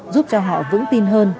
giúp cho họ vững tin hơn